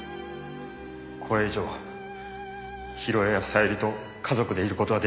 これ以上広江や小百合と家族でいる事は出来ません。